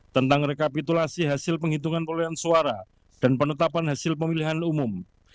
tentang rekapitulasi hasil penghitungan perolehan suara dan penetapan hasil pemilihan umum